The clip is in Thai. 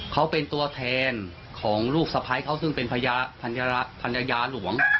เขาเป็นตัวแทนของลูกสะพ้ายเขาซึ่งเป็นภรรยาหลวง